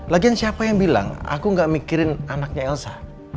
lagian siapa yang bilang aku gak mikirin anaknya elsa